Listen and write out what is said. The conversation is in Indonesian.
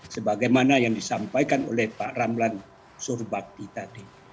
sebagaimana yang disampaikan oleh pak ramlan surbakti tadi